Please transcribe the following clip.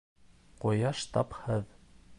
Ҡояш тапһыҙ